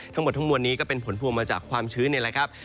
ทั้งหมดทั้งมวลนี้ก็เป็นผลพวงมาจากความชื้นนี่แหละครับ